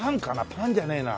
パンじゃねえな。